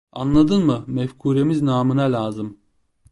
Anladın mı, mefkuremiz namına lazım…